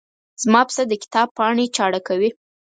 زما پسه د کتاب پاڼې چاړه کوي.